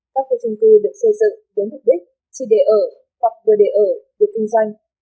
các khu trung cư được xây dựng với mục đích chỉ để ở hoặc vừa để ở vừa kinh doanh